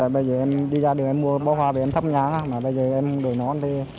bây giờ em đi ra đường em mua bó hoa vì em thấp nhãn mà bây giờ em gửi nó đi